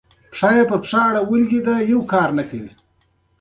چې سړى پرې د يوه فعال بريدګر په توګه